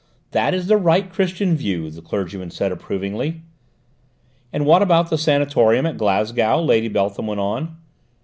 "That is the right Christian view," the clergyman said approvingly. "And what about the sanatorium at Glasgow?" Lady Beltham went on.